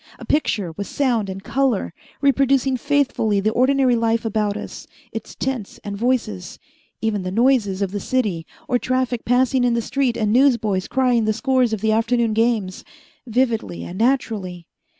A picture with sound and color, reproducing faithfully the ordinary life about us, its tints and voices, even the noises of the city or traffic passing in the street and newsboys crying the scores of the afternoon games vividly and naturally.